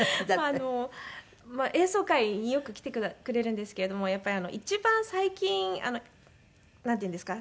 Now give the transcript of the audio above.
演奏会によく来てくれるんですけれどもやっぱり一番最近なんていうんですか？